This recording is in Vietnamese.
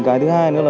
cái thứ hai nữa là